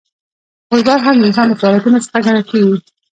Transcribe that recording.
فوټبال هم د انسان له فعالیتونو څخه ګڼل کیږي.